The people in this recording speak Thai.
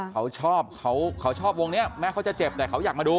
เขาชอบเขาชอบวงนี้แม้เขาจะเจ็บแต่เขาอยากมาดู